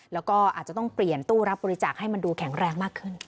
แล้วก็อาจจะต้องเปลี่ยนตู้รับบริจาคให้มันดูแข็งแรงมากขึ้น